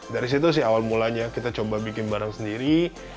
dari situ sih awal mulanya kita coba bikin barang sendiri